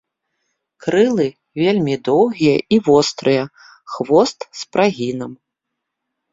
Крылы вельмі доўгія і вострыя, хвост з прагінам.